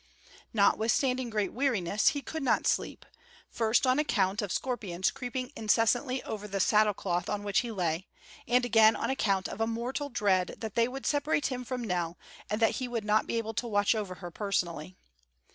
Notwithstanding great weariness, he could not sleep; first on account of scorpions creeping incessantly over the saddle cloth on which he lay, and again on account of a mortal dread that they would separate him from Nell, and that he would not be able to watch over her personally.